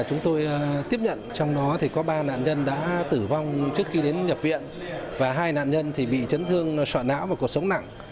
chúng tôi tiếp nhận trong đó có ba nạn nhân đã tử vong trước khi đến nhập viện và hai nạn nhân bị chấn thương sọ não và cuộc sống nặng